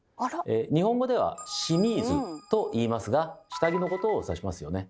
日本語では「シミーズ」といいますが下着のことを指しますよね。